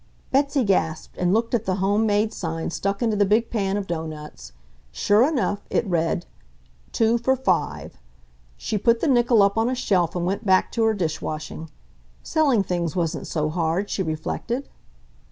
Betsy gasped and looked at the home made sign stuck into the big pan of doughnuts. Sure enough, it read "2 for 5." She put the nickel up on a shelf and went back to her dishwashing. Selling things wasn't so hard, she reflected.